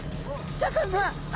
シャーク香音さま。